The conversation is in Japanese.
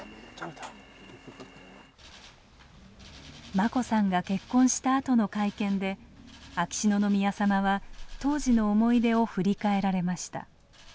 眞子さんが結婚したあとの会見で秋篠宮さまは当時の思い出を振り返られました。